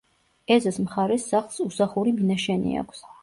ეზოს მხარეს სახლს უსახური მინაშენი აქვს.